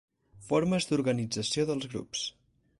Formes d'organització dels grups.